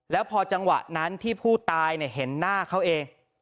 แล้วพอจังหวะนั้นที่ผู้ตายเห็นหน้าเขาเอง